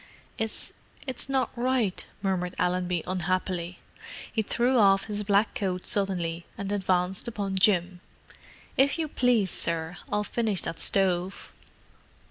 "It's—it's not right," murmured Allenby unhappily. He threw off his black coat suddenly, and advanced upon Jim. "If you please, sir, I'll finish that stove."